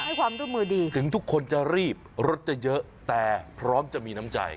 ให้ความร่วมมือดีถึงทุกคนจะรีบรถจะเยอะแต่พร้อมจะมีน้ำใจ